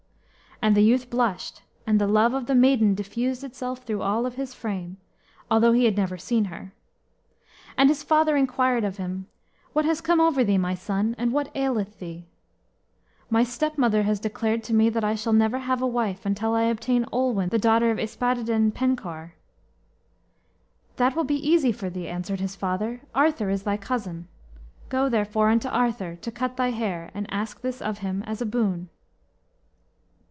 And the youth blushed, and the love of the maiden diffused itself through all his frame, although he had never seen her. And his father inquired of him, "What has come over thee, my son, and what aileth thee?" "My stepmother has declared to me that I shall never have a wife until I obtain Olwen, the daughter of Yspadaden Penkawr." "That will be easy for thee," answered his father. "Arthur is thy cousin. Go, therefore, unto Arthur, to cut thy hair, and ask this of him as a boon."